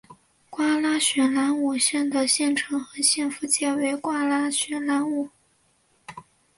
瓜拉雪兰莪县的县城和县府皆为瓜拉雪兰莪。